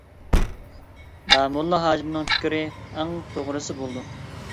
داموللا ھاجىمنىڭ پىكرى ئەڭ توغرىسى بولىدۇ.